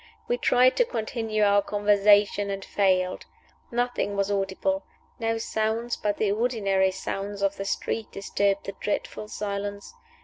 We tried to continue our conversation, and failed. Nothing was audible; no sounds but the ordinary sounds of the street disturbed the dreadful silence.